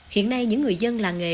hiện nay những người dân làng nghề